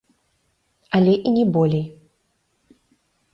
Але і не болей.